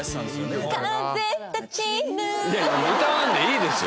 いやいや歌わんでいいですよ。